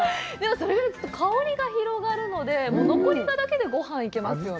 それぐらい香りが広がるので、残り香だけでごはんがいけますよね。